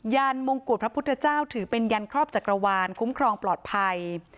ันมงกุฎพระพุทธเจ้าถือเป็นยันครอบจักรวาลคุ้มครองปลอดภัย